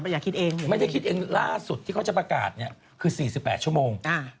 นี่แรกชีวิตมากฟึดเองล่าสุดที่ก็จะประกาศเนี่ยคือ๔๘ชั่วโมง